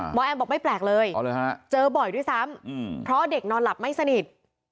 แอมบอกไม่แปลกเลยเจอบ่อยด้วยซ้ำเพราะเด็กนอนหลับไม่สนิท